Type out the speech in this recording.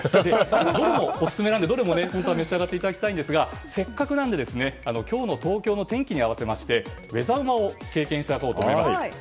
どれもオススメなのでどれも召し上がっていただきたいんですがせっかくなので今日の東京の天気に合わせましてウェザうまを経験していただこうと思います。